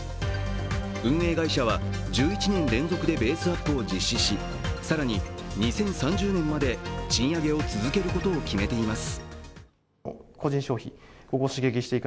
運営会社は１１年連続でベースアップを実施し更に２０３０年まで賃上げを続けることを決めています。